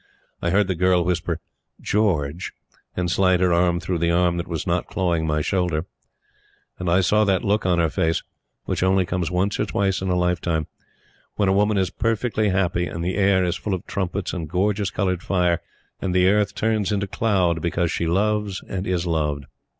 I heard the girl whisper, "George," and slide her arm through the arm that was not clawing my shoulder, and I saw that look on her face which only comes once or twice in a lifetime when a woman is perfectly happy and the air is full of trumpets and gorgeous colored fire and the Earth turns into cloud because she loves and is loved.